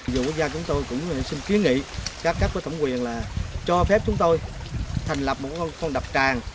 vụ quốc gia chúng tôi cũng xin ký nghị các cấp của thổng quyền là cho phép chúng tôi thành lập một con đập trại